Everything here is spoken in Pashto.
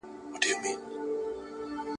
د ابدالیانو کوچ يو تاريخي او ټولنيز بدلون و.